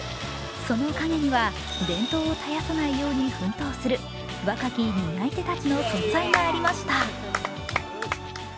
その陰には、伝統を絶やさないように奮闘する若き担い手たちの存在がありました。